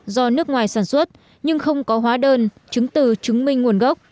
do nước ngoài sản xuất nhưng không có hóa đơn chứng từ chứng minh nguồn gốc